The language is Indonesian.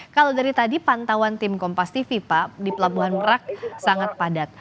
kalau dari tadi pantauan tim kompas tv pak di pelabuhan merak sangat padat